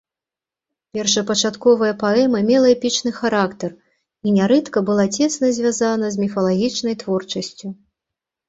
Першапачатковая паэма мела эпічны характар і нярэдка была цесна звязана з міфалагічнай творчасцю.